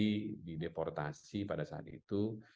mereka bisa menghentikan sistem orang utan karena itu